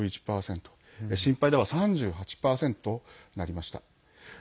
「心配だ」は３８％になりました。